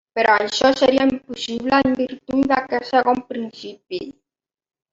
Però això seria impossible en virtut d'aquest segon principi.